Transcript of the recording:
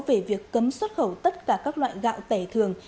về việc cấm xuất khẩu tất cả các loại gạo tẻ thường